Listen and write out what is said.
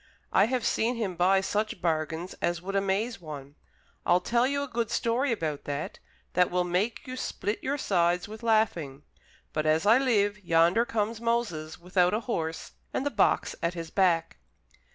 I have seen him buy such bargains as would amaze one. I'll tell you a good story about that, that will make you split your sides with laughing. But, as I live, yonder comes Moses, without a horse, and the box at his back."